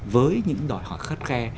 với những đòi hỏi khát khe